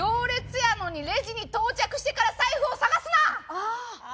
ああ！